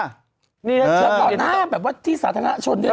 แบบสตรอหน้าประมาณที่สาธารณฉนธ์ด้วยนะ